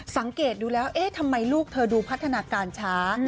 สังเกตดูแล้วเอ๊ะทำไมลูกเธอดูพัฒนาการช้า